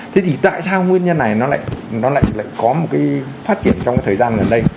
thế thì tại sao nguyên nhân này nó lại có một cái phát triển trong thời gian gần đây